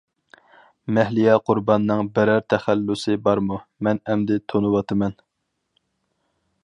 مەھلىيا قۇرباننىڭ بىرەر تەخەللۇسى بارمۇ؟ مەن ئەمدى تونۇۋاتىمەن.